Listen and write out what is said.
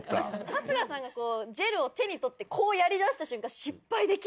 春日さんがこうジェルを手に取ってこうやりだした瞬間失敗できない。